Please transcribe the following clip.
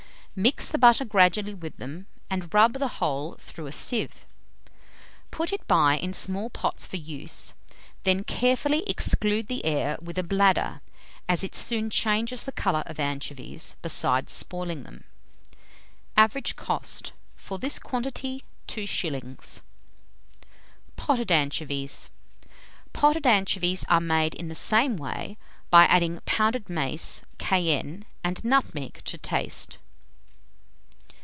Mix the butter gradually with them, and rub the whole through a sieve. Put it by in small pots for use, and carefully exclude the air with a bladder, as it soon changes the colour of anchovies, besides spoiling them. Average cost for this quantity, 2s. POTTED ANCHOVIES. POTTED ANCHOVIES are made in the same way, by adding pounded mace, cayenne, and nutmeg to taste.